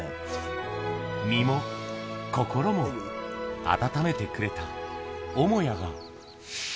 身も心も温めてくれた母屋が。